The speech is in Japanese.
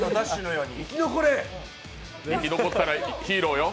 生き残ったらヒーローよ。